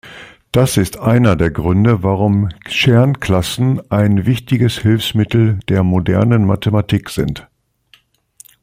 Das ist einer der Gründe, warum Chernklassen ein wichtiges Hilfsmittel der modernen Mathematik sind.